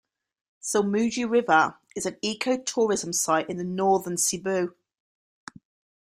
Silmugi River is an eco-tourism site in northern Cebu.